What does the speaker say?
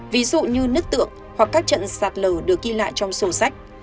ví dụ như nứt tượng hoặc các trận sạt lở được ghi lại trong sổ sách